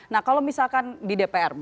nah kalau misalkan di dpr